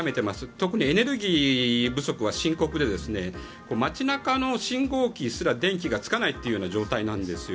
特にエネルギー不足は深刻で、街中の信号機すら電気がつかない状態なんですよ。